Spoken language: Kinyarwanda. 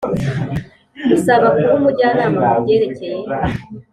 Gusaba kuba umujyanama mu byerekeye